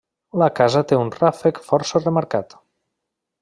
La casa té un ràfec força remarcat.